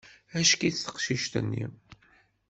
Acki-tt teqcict-nni!